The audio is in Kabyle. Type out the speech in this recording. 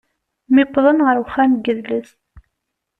Mi wwḍen ɣer uxxam n yidles.